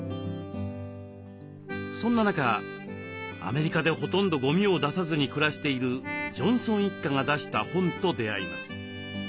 そんな中アメリカでほとんどゴミを出さずに暮らしているジョンソン一家が出した本と出会います。